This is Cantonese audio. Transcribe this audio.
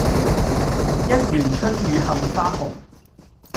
一園春雨杏花紅